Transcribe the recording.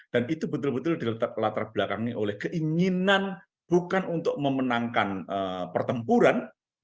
itu betul betul dilatar belakangi oleh keinginan bukan untuk memenangkan pertempuran